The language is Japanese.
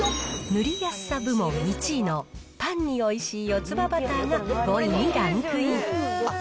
塗りやすさ部門１位のパンにおいしいよつ葉バターが、５位にランクイン。